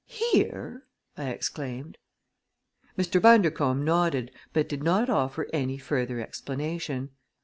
"Here!" I exclaimed. Mr. Bundercombe nodded but did not offer any further explanation.